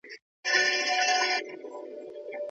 دوی د خپلي ګناه د کفارې لپاره مريی ازاد کړ.